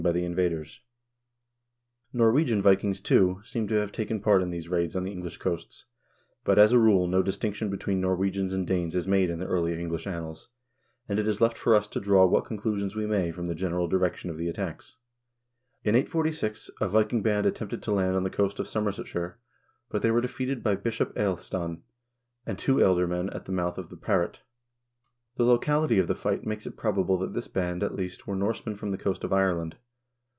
54 HISTORY OF THE NORWEGIAN PEOPLE Norwegian Vikings, too, seem to have taken part in these raids on the English coasts; but, as a rule, no distinction between Nor wegians and Danes is made in the early English annals, and it is left for us to draw what conclusions we may from the general direc tion of the attacks. In 846 a Viking band attempted to land on the coast of Somersetshire, but they were defeated by Bishop Ealhstan and two ealdormen at the mouth of the Parret. The locality of the fight makes it probable that this band, at least, were Norsemen from the coast of Ireland.